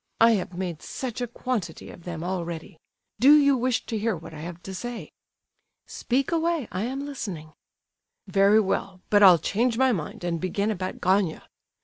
I have made such a quantity of them already. Do you wish to hear what I have to say?" "Speak away, I am listening." "Very well, but I'll change my mind, and begin about Gania.